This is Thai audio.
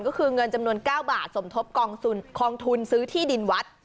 ก็คือเงินจำนวน๙บาทสมทบกองทุนซื้อที่ดินวัด